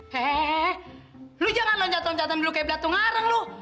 hehehe lu jangan loncat loncatan dulu kayak belatu ngarang lu